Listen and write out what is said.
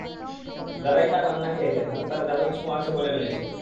যাঁরাই তাঁর রান্না খেয়েছেন, হাতে তাঁর জাদুর ছোঁয়া আছে বলে মেনেছেন।